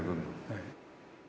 はい。